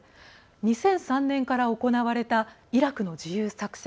２００３年から行われたイラクの自由作戦。